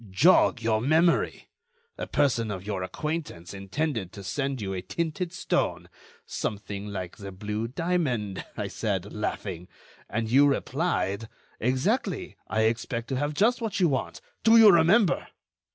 Jog your memory! A person of your acquaintance intended to send you a tinted stone.... 'Something like the blue diamond,' I said, laughing; and you replied: 'Exactly, I expect to have just what you want.' Do you remember?"